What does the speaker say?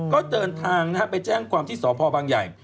ก็เดินทางไปแจ้งความที่สพบางใหญ่